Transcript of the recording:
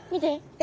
え！？